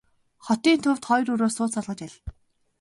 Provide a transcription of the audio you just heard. Хотын төвд хоёр өрөө сууц олгож аль.